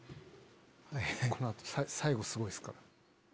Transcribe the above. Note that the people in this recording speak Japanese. この後最後すごいっすから。